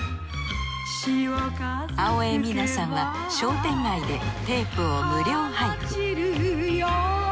青江三奈さんは商店街でテープを無料配布